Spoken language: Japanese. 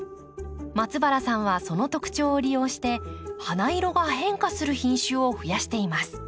松原さんはその特徴を利用して花色が変化する品種を増やしています。